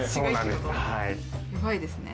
やばいですね。